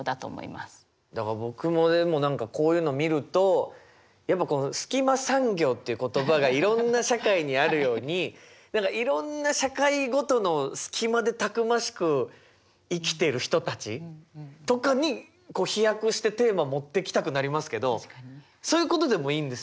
だから僕もでも何かこういうの見るとやっぱこうスキマ産業っていう言葉がいろんな社会にあるように何かいろんな社会ごとのスキマでたくましく生きてる人たちとかに飛躍してテーマ持ってきたくなりますけどそういうことでもいいんですよね？